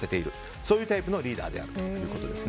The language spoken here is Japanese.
そういうタイプのリーダーであるということです。